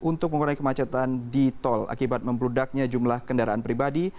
untuk mengurangi kemacetan di tol akibat membludaknya jumlah kendaraan pribadi